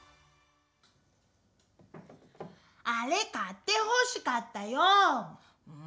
あれ買ってほしかったよう！